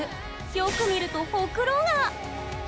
よく見るとほくろが！